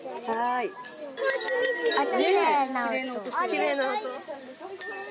きれいな音。